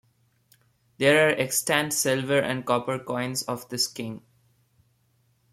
There are extant silver and copper coins of this king.